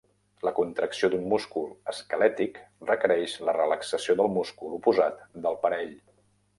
La contracció d'un múscul esquelètic requereix la relaxació del múscul oposat del parell.